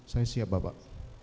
saya siap bapak